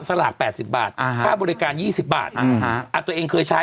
สลากแปดสิบบาทอ่าฮะค่าบริการยี่สิบบาทอืมฮะอ่าตัวเองเคยใช้